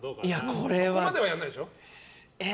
ここまではやらないでしょ？